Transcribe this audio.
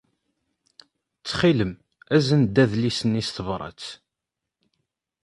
Ttxil-m, azen-d adlis-nni s tebṛat.